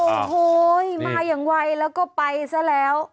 โอ้โหมาอย่างไวแล้วก็ไปซะแล้ว